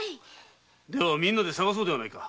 ではみんなで探そうではないか。